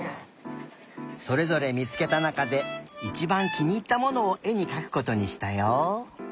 それぞれみつけたなかでいちばんきにいったものをえにかくことにしたよ。